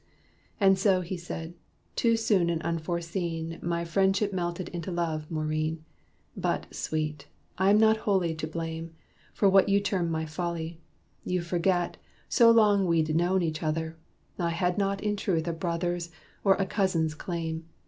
"And so," he said, "too soon and unforeseen My friendship melted into love, Maurine. But, sweet! I am not wholly in the blame, For what you term my folly. You forgot, So long we'd known each other, I had not In truth a brother's or a cousin's claim.